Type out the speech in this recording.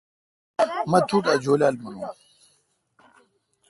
مہ توٹھ اؘ جولال مانون۔